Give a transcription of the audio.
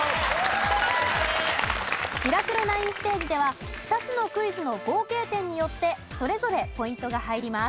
『ミラクル９』ステージでは２つのクイズの合計点によってそれぞれポイントが入ります。